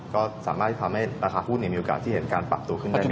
ก็สามารถที่ทำให้ราคาหุ้นมีโอกาสที่เห็นการปรับตัวขึ้นได้